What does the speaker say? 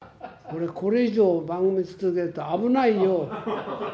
俺、これ以上、番組続けると危ないよ。